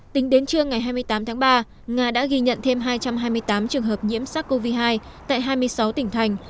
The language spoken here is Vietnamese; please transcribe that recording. tính đến trưa ngày hai mươi tám tháng ba nga đã ghi nhận thêm hai trăm hai mươi tám trường hợp nhiễm sars cov hai tại hai mươi sáu tỉnh thành